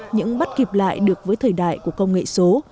những bắt kịp lại được với thời đại của công nghệ số